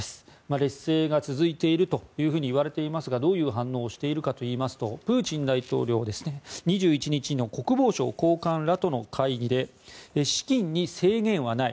劣勢が続いているといわれていますがどういう反応をしているかといいますと、プーチン大統領は２１日の国防省高官らとの会議で資金に制限はない。